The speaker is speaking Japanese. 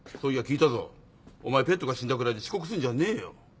お前ペットが死んだぐらいで遅刻すんじゃねえよ。